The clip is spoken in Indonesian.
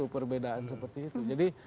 perbedaan seperti itu